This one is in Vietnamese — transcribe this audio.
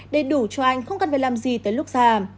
đầy đủ cho anh không cần phải làm gì tới lúc xa